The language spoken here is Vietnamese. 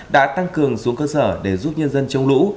đã tăng cường xuống cơ sở để giúp nhân dân chống lũ